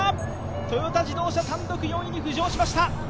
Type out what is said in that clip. トヨタ自動車、単独４位に浮上しました。